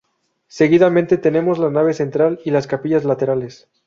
Seguidamente tenemos la nave central y las capillas laterales.